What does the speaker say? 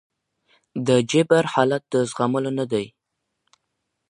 د جبر حالت د زغملو نه دی.